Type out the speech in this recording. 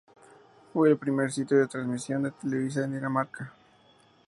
Fue el primer sitio de transmisión de televisión en Dinamarca.